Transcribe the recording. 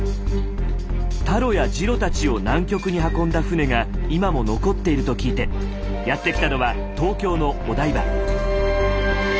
タロやジロたちを南極に運んだ船が今も残っていると聞いてやって来たのは東京のお台場。